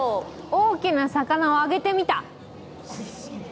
大きな魚を揚げてみた？